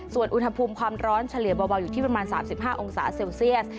ส่วนอุณหภูมิความร้อนเฉลี่ยเบาอยู่ที่ประมาณ๓๕องศาเซลเซียส